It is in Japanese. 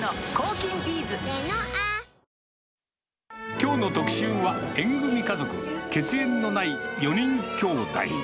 きょうの特集は、縁組み家族、血縁のない４人きょうだい。